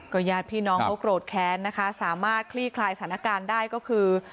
ญาติพี่น้องเขาโกรธแค้นนะคะสามารถคลี่คลายสถานการณ์ได้ก็คือ